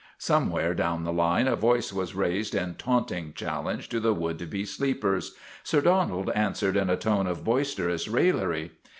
Somewhere down the line a voice was raised in taunting challenge to the would be sleepers. Sir Donald answered in a tone of boisterous raillery.